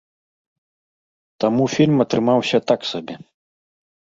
Таму фільм атрымаўся так сабе.